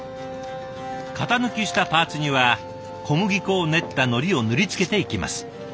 型抜きしたパーツには小麦粉を練ったのりを塗りつけていきます。